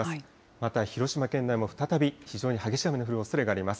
また広島県内も再び非常に激しい雨の降るおそれがあります。